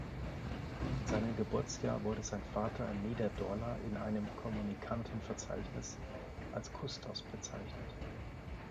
In seinem Geburtsjahr wurde sein Vater in Niederdorla in einem "Communicanten-Verzeichnis" als "Custos" bezeichnet.